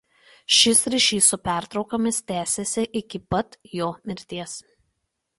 Šis ryšys su pertraukomis tęsėsi iki pat jo mirties.